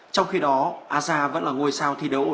trong khi đó aja vẫn là ngôi sao thi đấu ổn định nhất